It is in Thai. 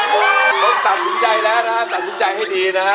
ก็ตัดสินใจแล้วนะครับตัดสินใจให้ดีนะครับ